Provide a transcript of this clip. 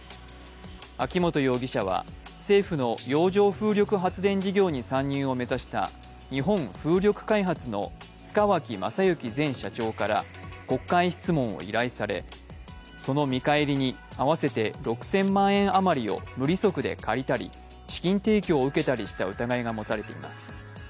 秋元容疑者は政府の洋上風力発電事業に参入を目指した日本風力開発の塚脇正幸前社長から国会質問を依頼され、その見返りに合わせて６０００万円余りを無利息で借りたり資金提供を受けたりした疑いが持たれています